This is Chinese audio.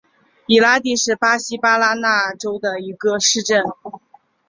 伊拉蒂是巴西巴拉那州的一个市镇。